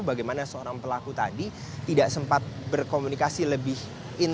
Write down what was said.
bagaimana seorang pelaku tadi tidak sempat berkomunikasi lebih langsung